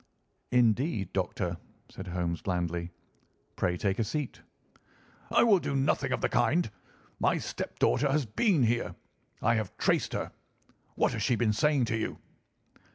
"Indeed, Doctor," said Holmes blandly. "Pray take a seat." "I will do nothing of the kind. My stepdaughter has been here. I have traced her. What has she been saying to you?"